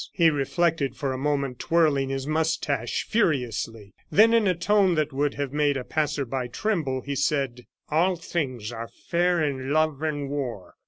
He reflected for a moment, twirling his mustache furiously; then, in a tone that would have made a passerby tremble, he said: "All things are fair in love and war.